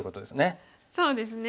そうですね。